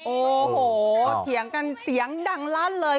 โอ้โหเถียงกันเสียงดังลั่นเลย